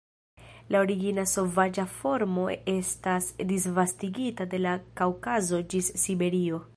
La origina sovaĝa formo estas disvastigita de la Kaŭkazo ĝis Siberio.